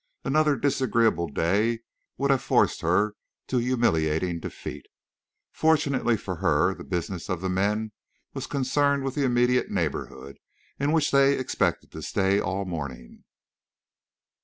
Another disagreeable day would have forced her to humiliating defeat. Fortunately for her, the business of the men was concerned with the immediate neighborhood, in which they expected to stay all morning.